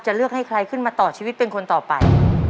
เลือกให้ใครขึ้นมาต่อชีวิตเป็นคนต่อไป